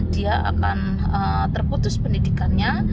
dia akan terputus pendidikannya